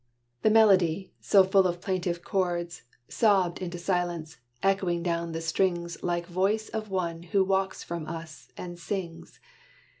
The melody, so full of plaintive chords, Sobbed into silence echoing down the strings Like voice of one who walks from us, and sings.